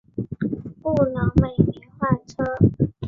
不能每年换车